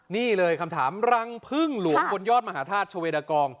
นี่เลยคำถามรังพึ่งหลวงบนยอดมหาธาตุชเวดากอง